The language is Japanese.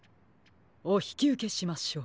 おひきうけしましょう。